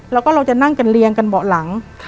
แล้วก็เราจะนั่งกันเรียงกันเบาะหลัง